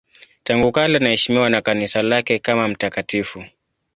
Tangu kale anaheshimiwa na Kanisa lake kama mtakatifu.